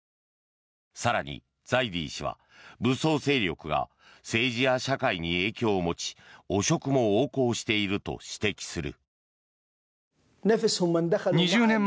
更に、ザイディ氏は武装勢力が政治や社会に影響を持ち汚職も横行していると指摘する。